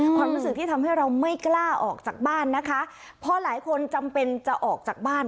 ความรู้สึกที่ทำให้เราไม่กล้าออกจากบ้านนะคะพอหลายคนจำเป็นจะออกจากบ้าน